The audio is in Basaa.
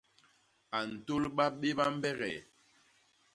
A ntôlba béba mbegee.